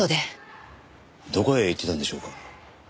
どこへ行ってたんでしょうか？